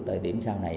tời điểm sau này